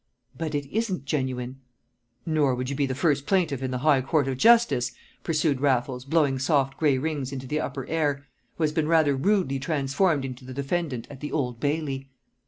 "But it isn't genuine." "Nor would you be the first plaintiff in the High Court of Justice," pursued Raffles, blowing soft grey rings into the upper air, "who has been rather rudely transformed into the defendant at the Old Bailey."